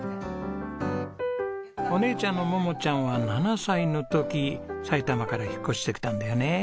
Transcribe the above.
お姉ちゃんの萌々ちゃんは７歳の時埼玉から引っ越してきたんだよね。